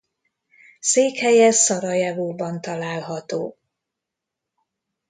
Székhelye Szarajevóban található.